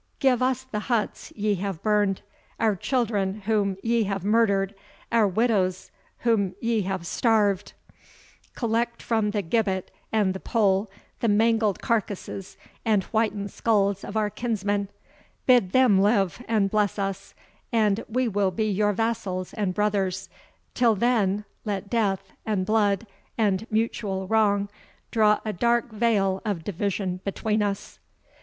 Give us the huts ye have burned, our children whom ye have murdered, our widows whom ye have starved collect from the gibbet and the pole the mangled carcasses, and whitened skulls of our kinsmen bid them live and bless us, and we will be your vassals and brothers till then, let death, and blood, and mutual wrong, draw a dark veil of division between us."